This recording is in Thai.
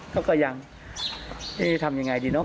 เขาก็ยังทำยังไงดีเนาะ